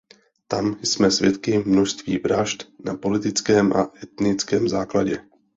Tam jsme svědky množství vražd na politickém a etnickém základě.